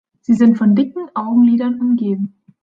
Sie sind von dicken Augenlidern umgeben.